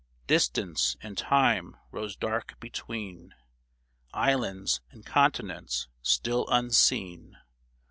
Distance and time rose dark between Islands and continents still unseen.